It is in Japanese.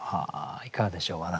いかがでしょう？